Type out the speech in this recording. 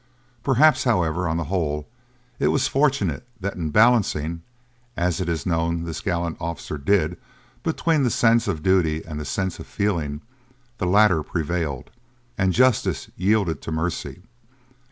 Perhaps, however, on the whole, it was fortunate, that in balancing, as it is known this gallant officer did, between the sense of duty and the sense of feeling, the latter prevailed, and justice yielded to mercy.